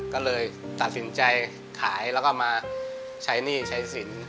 ก็เลยตัดสินใจขายแล้วก็มาใช้หนี้ใช้สิน